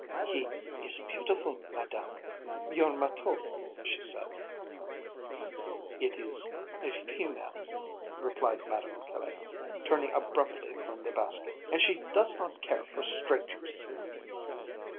"He is beautiful, madame, your matou," she said. "It is a female," replied Madame Caille, turning abruptly from the basket, "and she does not care for strangers."